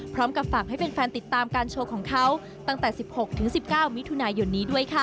พร้อมกับฝากให้แฟนติดตามการโชว์ของเขาตั้งแต่๑๖๑๙มิถุนายนนี้ด้วยค่ะ